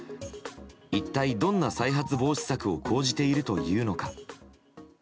一体どんな再発防止策を講じているというのか。